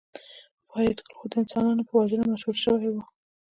فریدګل خو د انسانانو په وژنه مشهور شوی و